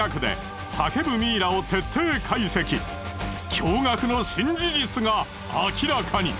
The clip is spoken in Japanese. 驚愕の新事実が明らかに！